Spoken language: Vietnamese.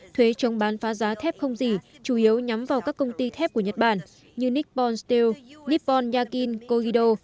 thuế chống bán phá giá thép không gì chủ yếu nhắm vào các công ty thép của nhật bản như nippon steel nippon yakin kogido